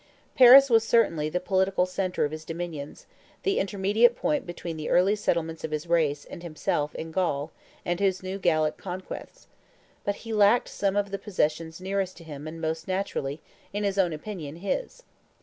Paris was certainly the political centre of his dominions, the intermediate point between the early settlements of his race and himself in Gaul and his new Gallic conquests; but he lacked some of the possessions nearest to him and most naturally, in his own opinion, his.